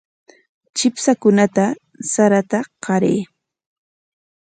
Chipshakunata sarata qaray.